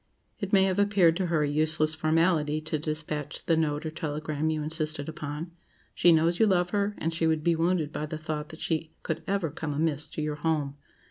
It may have appeared to her a useless formality to despatch the note or telegram you insisted upon. She knows you love her, and she would be wounded by the thought that she could ever "come amiss" to your home.